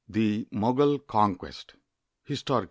] V THE MOGUL CONQUEST fflSTORIC.